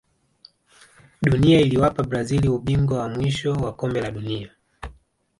dunia aliwapa brazil ubingwa wa mwisho wa kombe la dunia